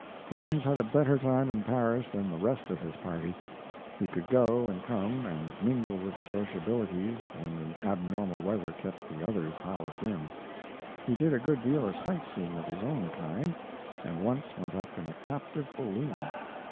Clemens had a better time in Paris than the rest of his party. He could go and come, and mingle with the sociabilities when the abnormal weather kept the others housed in. He did a good deal of sight seeing of his own kind, and once went up in a captive balloon.